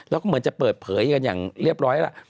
แล้วก็เหมือนจะเปิดเผยกันอย่างเรียบร้อยแล้ว